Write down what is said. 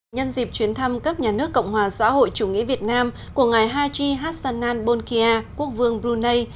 nhân dịp chuyến thăm cấp nhà nước cộng hòa xã hội chủ nghĩa việt nam của ngài haji hassanan bolkia quốc vương brunei